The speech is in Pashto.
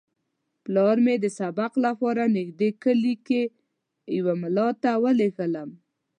پلار مې د سبق لپاره نږدې کلي کې یوه ملا ته ولېږلم.